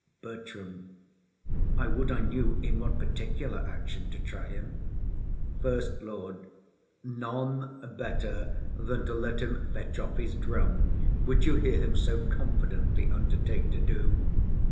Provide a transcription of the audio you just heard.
BERTRAM. I would I knew in what particular action to try him. SECOND LORD. None better than to let him fetch off his drum, which you hear him so confidently undertake to do.